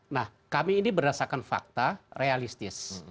nah kami ini berdasarkan fakta realistis